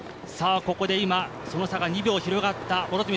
ここで今、その差が２秒広がった。